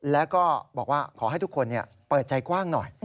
แล้วก็บอกว่าขอให้ทุกคนเปิดใจกว้างหน่อย